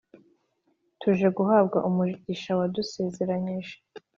Tuje guhabwa umugisha wadusezeranyije